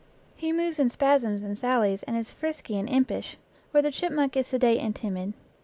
He moves in spasms and sallies and is frisky and impish, where the chipmunk is sedate and timid.